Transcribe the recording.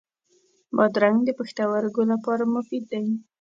بادرنګ د پښتورګو لپاره مفید دی.